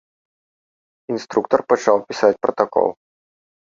Інструктар пачаў пісаць пратакол.